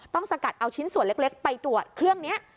สกัดเอาชิ้นส่วนเล็กไปตรวจเครื่องนี้